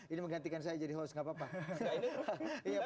ini menggantikan saya jadi host gak apa apa